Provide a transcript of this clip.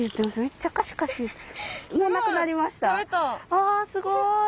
あすごい。